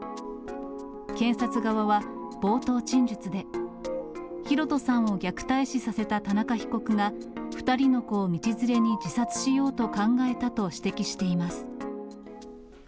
検察側は、冒頭陳述で、大翔さんを虐待死させた田中被告が、２人の子を道連れに自殺しようと考えたと指摘しています。